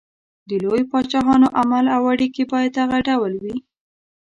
د لویو پاچاهانو عمل او اړېکې باید دغه ډول وي.